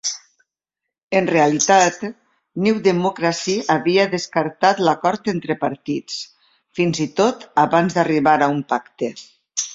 En realitat, New Democracy havia descartat l"acord entre partits, fins-i-tot abans d"arribar a un pacte.